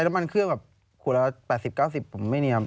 แต่เครื่องแบบคุณรอดประวัตรสิบเก้าสิบผมไม่เนียม